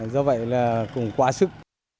do vậy là cũng quá sức